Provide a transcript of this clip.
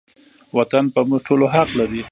وطن په موږ ټولو حق لري